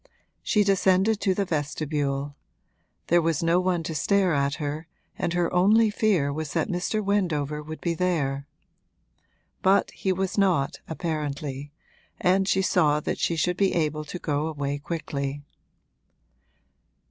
She descended to the vestibule; there was no one to stare at her and her only fear was that Mr. Wendover would be there. But he was not, apparently, and she saw that she should be able to go away quickly.